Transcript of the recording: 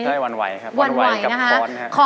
ได้วันวัยนะครับ